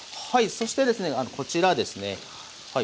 そしてですねこちらですねはい。